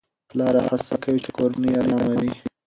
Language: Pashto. پلار هڅه کوي چې کورنۍ يې آرامه وي.